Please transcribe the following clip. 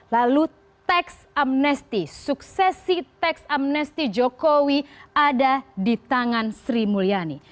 lalu teks amnesti suksesi teks amnesti jokowi ada di tangan sri mulyani